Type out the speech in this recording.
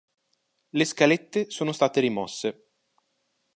Le scalette sono state rimosse.